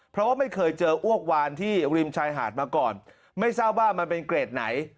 เพราะว่าไม่เคยเจออ้วกวานที่ริมชายหาดมาก่อนไม่ทราบว่ามันเป็นเกรดไหน